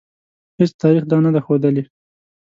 هیڅ تاریخ دا نه ده ښودلې.